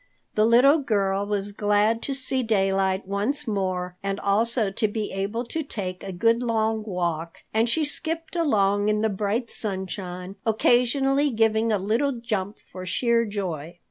The little girl was glad to see daylight once more and also to be able to take a good long walk, and she skipped along in the bright sunshine, occasionally giving a little jump for sheer joy.